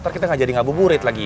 ntar kita gak jadi ngabuburit lagi